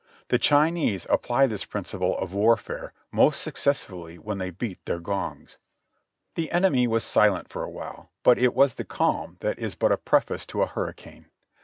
The Chinese apply this principle of warfare most successfully when they beat their gongs. The enemy was silent for a while, but it was the calm that is but a preface to a hurricane.